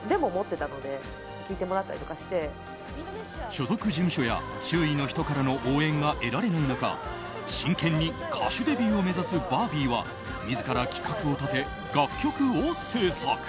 所属事務所や周囲の人からの応援が得られない中真剣に歌手デビューを目指すバービーは自ら企画を立て、楽曲を制作。